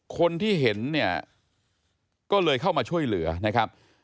คนที่เห็นเนี่ยก็เลยเข้ามาช่วยเหลือนะครับ